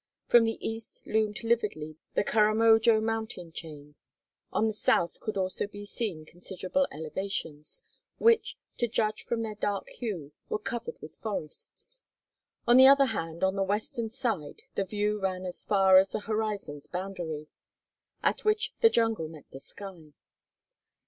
From the east loomed lividly the Karamojo Mountain chain. On the south could also be seen considerable elevations, which, to judge from their dark hue, were covered with forests. On the other hand, on the western side the view ran as far as the horizon's boundary, at which the jungle met the sky.